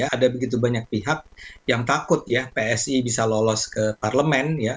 ada begitu banyak pihak yang takut ya psi bisa lolos ke parlemen